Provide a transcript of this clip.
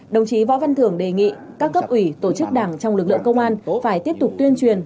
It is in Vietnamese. đồng chí võ văn thưởng đề nghị các cấp ủy tổ chức đảng trong lực lượng công an phải tiếp tục tuyên truyền